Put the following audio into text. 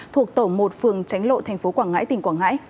thuộc tổng một phường tránh lộ tp quảng ngãi tỉnh quảng ngãi